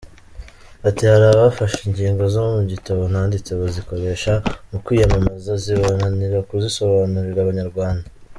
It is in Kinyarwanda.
Ati “Hari abafashe ingingo zo mu gitabo nanditse bazikoresha mu kwiyamamaza zibananira kuzisobanurira Abanyarwanda.